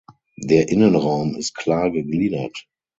Der Innenraum ist klar gegliedert.